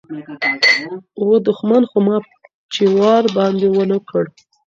و دښمن خو ما چي وار باندي و نه کړ